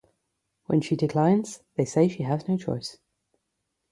When she declines, they say she has no choice.